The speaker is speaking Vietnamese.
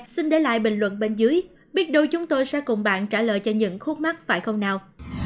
xin để lại bình luận bên dưới biết đôi chúng tôi sẽ cùng bạn trả lời cho những khúc mắt phải không nào